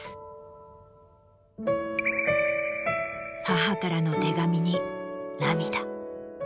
母からの手紙に。